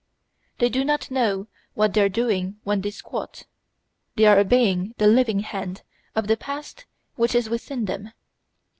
They do not know what they are doing when they squat; they are obeying the living hand of the past which is within them.